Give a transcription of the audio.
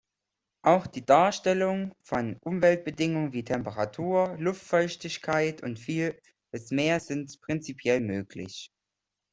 Auch die Darstellungen von Umweltbedingungen wie Temperatur, Luftfeuchtigkeit und vieles mehr sind prinzipiell möglich.